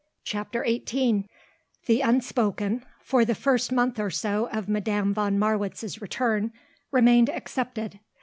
CHAPTER XVIII The unspoken, for the first month or so of Madame von Marwitz's return, remained accepted.